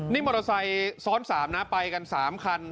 นี่มอเตอร์ไซค์ซ้อน๓นะไปกัน๓คัน